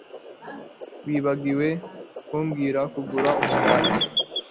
Wibagiwe kumbwira kugura umugati